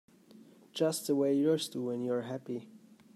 Just the way yours do when you're happy.